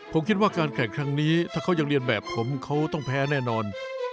ผมคิดว่าการแข่งครั้งนี้ถ้าเขายังเรียนแบบผมเขาต้องแพ้แน่นอน